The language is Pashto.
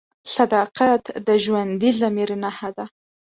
صداقت د ژوندي ضمیر نښه ده.